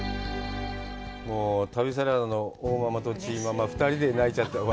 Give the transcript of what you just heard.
もう旅サラダの大ママとチーママ泣いちゃって。